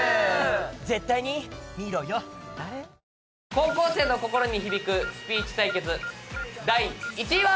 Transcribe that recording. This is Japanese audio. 高校生の心に響くスピーチ対決第１位は。